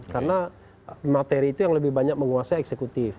karena materi itu yang lebih banyak menguasai eksekutif